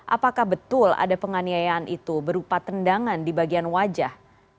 apakah betul ada penganiayaan itu berupa tendangan di bagian wajah